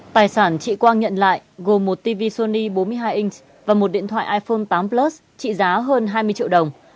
tài sản chị quang nhận lại gồm một tv sony bốn mươi hai inch và một điện thoại iphone tám plus trị giá hơn hai mươi triệu đồng